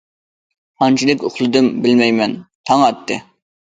قانچىلىك ئۇخلىدىم، بىلمەيمەن، تاڭ ئاتتى.